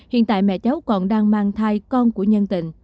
hiện tại mẹ cháu còn đang mang thai con của nhân tình